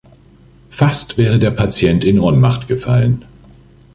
Fast wäre der Patient in Ohnmacht gefallen.